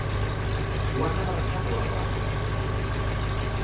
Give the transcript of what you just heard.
Quan ha marxat l'Adelaida?